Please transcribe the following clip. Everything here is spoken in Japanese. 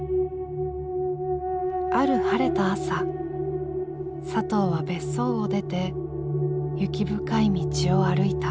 ある晴れた朝サトウは別荘を出て雪深い道を歩いた。